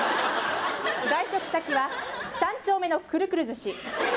外食先は三丁目のくるくる寿司。